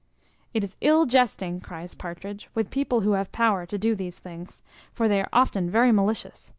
"It is ill jesting," cries Partridge, "with people who have power to do these things; for they are often very malicious.